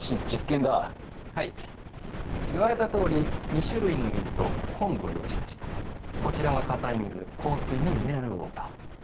実験だはい言われたとおり２種類の水と昆布を用意しましたこちらは硬い水硬水のミネラルウオーター